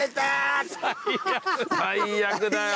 最悪だよ。